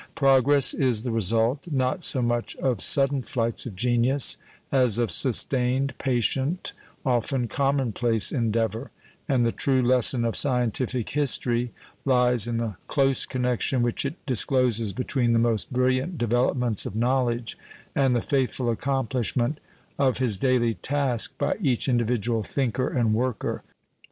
Progress is the result, not so much of sudden flights of genius, as of sustained, patient, often commonplace endeavour; and the true lesson of scientific history lies in the close connection which it discloses between the most brilliant developments of knowledge and the faithful accomplishment of his daily task by each individual thinker and worker.